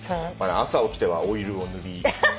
朝起きてはオイルを塗り。